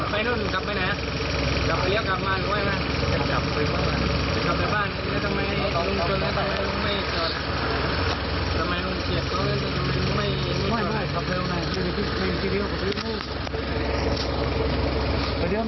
ไม่มีที่เลี้ยวไม่มีที่เลี้ยว